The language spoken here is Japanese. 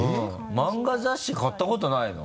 マンガ雑誌買ったことないの？